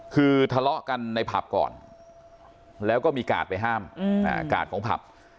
คือทะเลาะกันในผับก่อนแล้วก็มีกาดไปห้ามกาดของผับ